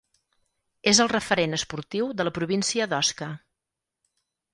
És el referent esportiu de la província d'Osca.